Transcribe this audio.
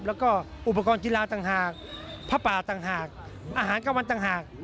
แล้วก็อุปกรณ์กีฬาต่างหากผ้าป่าต่างหากอาหารกลางวันต่างหาก